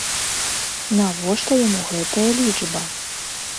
Навошта яму гэтая лічба?